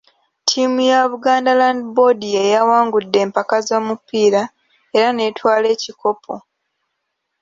Ttiimu ya Buganda Land Board y'eyawangudde empaka z'omupiira era n'etwala ekikopo.